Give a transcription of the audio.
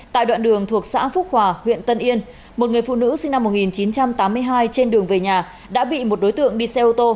tại đoạn đường thuộc xã phúc hòa huyện tân yên một người phụ nữ sinh năm một nghìn chín trăm tám mươi hai trên đường về nhà đã bị một đối tượng đi xe ô tô